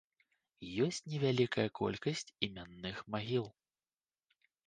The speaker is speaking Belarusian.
Ёсць невялікая колькасць імянных магіл.